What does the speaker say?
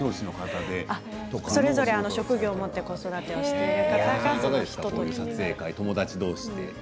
それぞれ職業を持って子育てをしています。